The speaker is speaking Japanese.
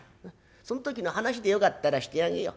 そん時の話でよかったらしてあげよう。